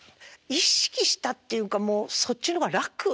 意識したっていうかもうそっちの方が楽。